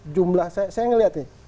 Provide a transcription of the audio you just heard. jumlah saya melihat ini